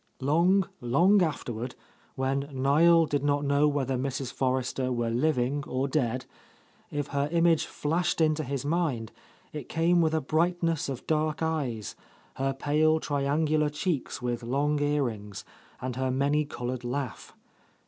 Long, long afterward, when Niel did not know whether Mrs. Forrester were living or dead, if her image flashed into his mind, it came with a brightness of dark eyes, her pale triangular cheeks with long earrings, and her many coloured laugh.